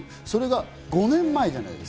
それが５年前。